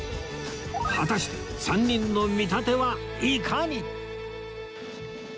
果たして３人の見立てはいかに？